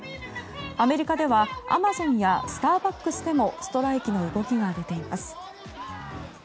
アメリカではアマゾンやスターバックスでもストライキの動きが出ています。